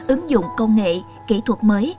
ứng dụng công nghệ kỹ thuật mới